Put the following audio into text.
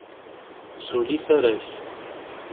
Tuli tara-k!